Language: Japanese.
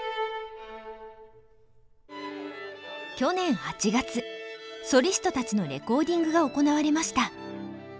去年８月ソリストたちのレコーディングが行われました。